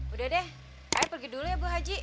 udah deh saya pergi dulu ya bu haji